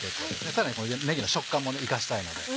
さらにねぎの食感も生かしたいので。